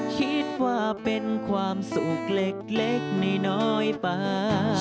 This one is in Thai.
คิดว่าเป็นความสุขเล็กน้อยป่า